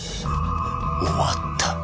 終わった